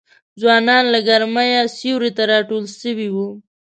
ځوانان له ګرمیه سیوري ته راټول سوي وه